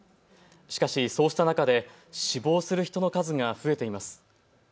しかし、そうした中で死亡する人の数が増えています。